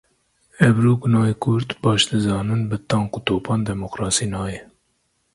Ebru Gunay Kurd baş dizanin bi tank û topan demokrasî nayê.